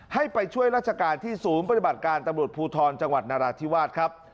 ให้ไปช่วยราชการที่ศูนย์ปฏิบัติการตำรวจภูทรจังหวัดนราธิวาสครับ